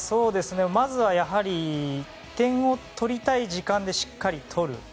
まずはやはり点を取りたい時間でしっかり取る。